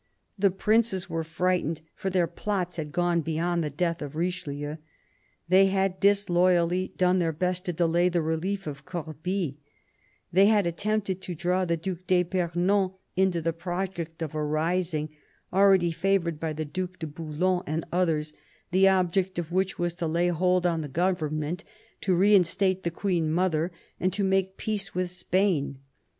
The princes were frightened, for their plots had gone beyond the death of Richelieu. They had disloyally done their best to delay the relief of Corbie ; they had attempted to draw the Due d'fipernon into the project of a rising, already favoured by the Due de Bouillon and others, the object of which was to lay hold on the government, to reinstate the Queen mother, and to make peace with Spain.